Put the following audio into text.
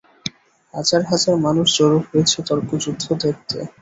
হাজার হাজার মানুষ জড়ো হয়েছে তর্কযুদ্ধ দেখতে!